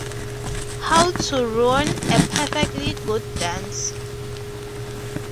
How to ruin a perfectly good dance.